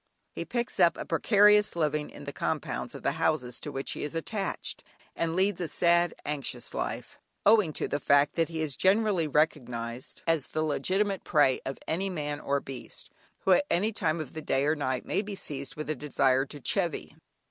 He picks up a precarious living in the compounds of the houses to which he is attached, and leads a sad, anxious life, owing to the fact that he is generally recognised as the legitimate prey of any man or beast, who at any time of the day or night may be seized with a desire to "chivy."